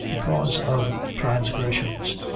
Because of transgressions.